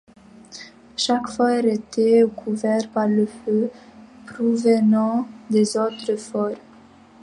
Chaque fort était couvert par le feu provenant des autres forts.